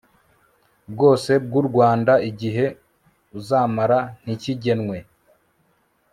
bwose bw u rwanda igihe uzamara ntikigenwe